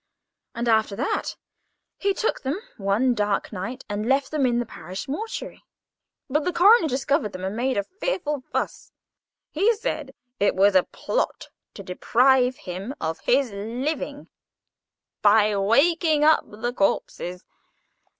And, after that, he took them one dark night and left them in the parish mortuary. But the coroner discovered them, and made a fearful fuss. He said it was a plot to deprive him of his living by waking up the corpses.